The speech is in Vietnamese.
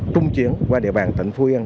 cung chuyển qua địa bàn tỉnh phú yên